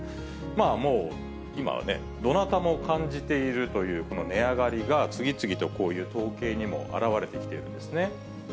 もう今はね、どなたも感じているというこの値上がりが、次々とこういう統計にも表れてきているんですね。